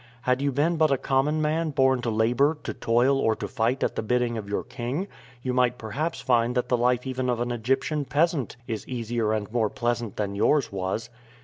Had you been but a common man, born to labor, to toil, or to fight at the bidding of your king, you might perhaps find that the life even of an Egyptian peasant is easier and more pleasant than yours was."